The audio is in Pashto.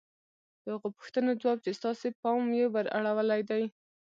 د هغو پوښتنو ځواب چې ستاسې پام يې ور اړولی دی.